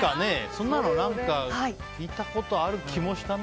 そんなの、何か聞いたことがある気もしたな。